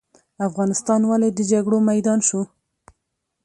افغانستان ولې د جګړو میدان شو؟